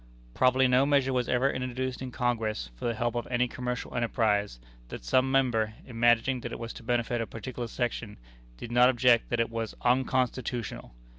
Probably no measure was ever introduced in Congress for the help of any commercial enterprise, that some member, imagining that it was to benefit a particular section, did not object that it was "unconstitutional"!